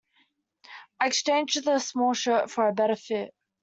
I exchanged the small shirt for a better fit.